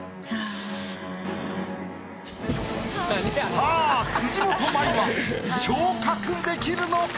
さあ辻元舞は昇格できるのか？